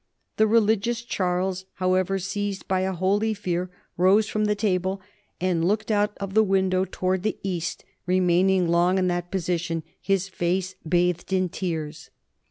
The religious Charles, however, seized by a holy fear, rose from the table, and looked out of the window towards the East, remaining long in that position, his face bathed in tears.